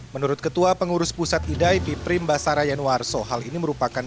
menurut ketua pengurus pusat idai biprim basara yanuar sohal ini merupakan